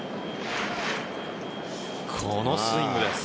このスイングです。